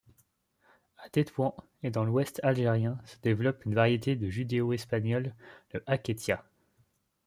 À Tétouan et dans l'ouest algérien se développe une variété de judéo-espagnol, le haketia.